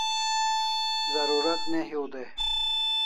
Zarurat ne hiu dai